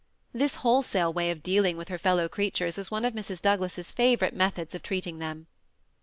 This wholesale way of dealing with her fellow creatures was one of Mrs. Douglas's favorite methods of treating them.